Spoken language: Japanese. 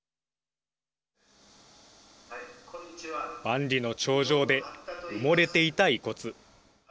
万里の長城で埋もれていた遺骨。